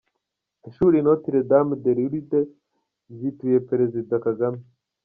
Ishuri Notire Dame de Lurides ryituye Perezida Kagame